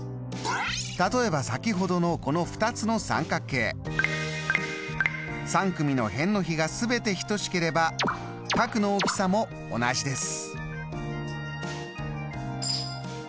例えば先ほどのこの２つの三角形３組の辺の比がすべて等しければ角の大きさも同じです。